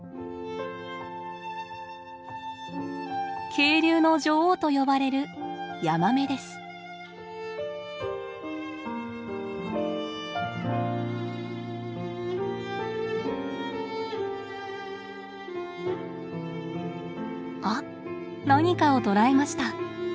「渓流の女王」と呼ばれるあっ何かを捕らえました。